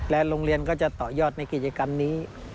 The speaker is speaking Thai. โรงเรียนก็จะต่อยอดในกิจกรรมนี้